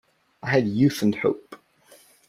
I had youth and hope.